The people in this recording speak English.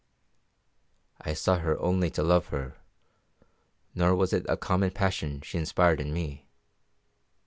I saw her only to love her; nor was it a common passion she inspired in me.